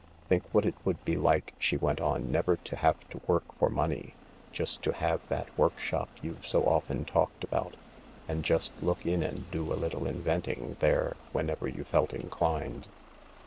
"Think what it would be like," she went on, " never to have to work for money— just to have that workshop you've so often talked about, and just look in and do a little invent ing there whenever you felt inclined.